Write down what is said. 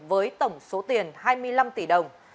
với tổng số tiền hai mươi năm tỷ đồng